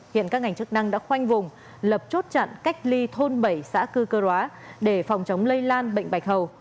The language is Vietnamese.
hiện các ngành chức năng đã khoanh vùng lập chốt chặn cách ly thôn bảy xã cư cơ róa để phòng chống lây lan bệnh bạch hầu